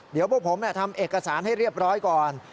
เดี๋ยวพวกผมทำเอกสารให้เรียบร้อยก่อน